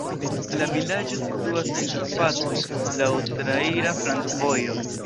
La vilaĝo situas en Karpatoj, laŭ traira flankovojo.